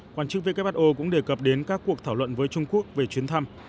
hoàn chức who cũng đề cập đến các cuộc thảo luận với trung quốc về chuyến thăm